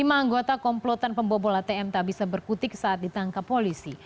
lima anggota komplotan pembobol atm tak bisa berkutik saat ditangkap polisi